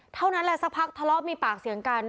เท่านั้นแหละสักพักทะเลาะมีปากเสียงกัน